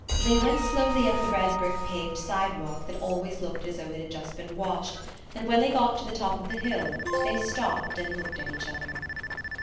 They went slowly up the red brick paved sidewalk that always looks as though it had just been washed, and when they got to the top of the hill they stopped and looked at each other.